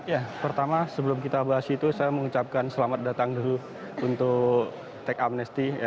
ya pertama sebelum kita bahas itu saya mengucapkan selamat datang dulu untuk teks amnesty